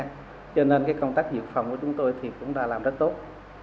cho nên công tác dự phòng của chúng tôi thì cũng đã làm rất tốt